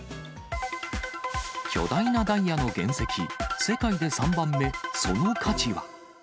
巨大なダイヤの原石、世界で３番目、その価値は？